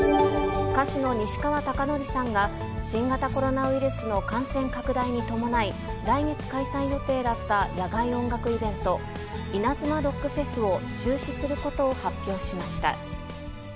歌手の西川貴教さんが新型コロナウイルスの感染拡大に伴い、来月開催予定だった野外音楽イベント、イナズマロックフェスを中止することを発表しました。